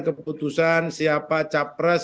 keputusan siapa capres